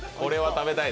食べたい！